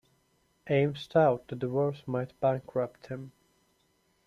Ames thought the divorce might bankrupt him.